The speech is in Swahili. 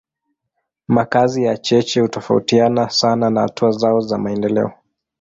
Makazi ya cheche hutofautiana sana na hatua zao za maendeleo.